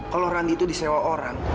kalau randi itu disewa orang